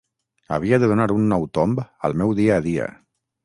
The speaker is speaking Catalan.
Havia de donar un nou tomb al meu dia a dia.